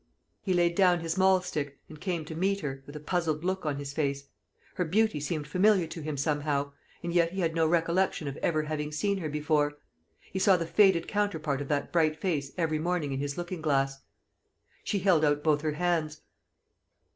He laid down his mahl stick, and came to meet her, with a puzzled look on his face. Her beauty seemed familiar to him somehow, and yet he had no recollection of ever having seen her before. He saw the faded counterpart of that bright face every morning in his looking glass. She held out both her hands.